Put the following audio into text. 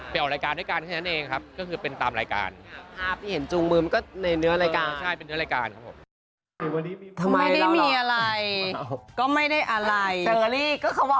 ไปเอารายการด้วยกันเท่านั้นเองครับ